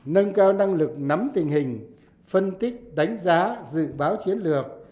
nâng cao năng lực nắm tình hình phân tích đánh giá dự báo chiến lược